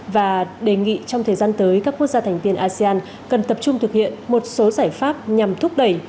và đề nghị trong thời gian tới các quốc gia thành viên asean cần tập trung thực hiện một số giải pháp nhằm thúc đẩy